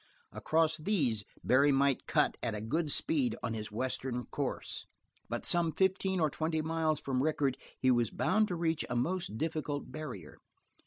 Across these Barry might cut at a good speed on his western course, but some fifteen or twenty miles from Rickett he was bound to reach a most difficult barrier.